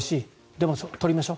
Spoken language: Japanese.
でも、取りましょう。